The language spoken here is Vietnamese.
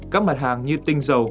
các mặt hàng như tinh dầu